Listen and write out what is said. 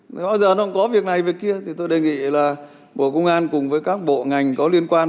nếu bây giờ nó cũng có việc này việc kia thì tôi đề nghị là bộ công an cùng với các bộ ngành có liên quan